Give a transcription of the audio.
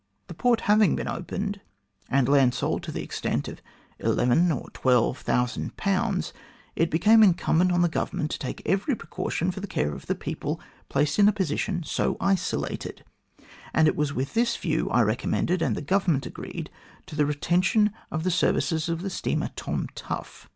The port having been opened and land sold to the extent of ,11,000 or 12,000, it became incumbent on the Government to take every precaution for the care of the people placed in a position so isolated, and it was with this view I re commended, and the Government agreed to, the retention of the services of the steamer Tom Tough.